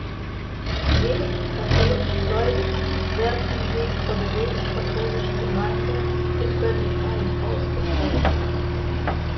Die wenigen katholischen Gläubigen werden hingegen von der römisch-katholischen Gemeinde in Bönnigheim aus betreut.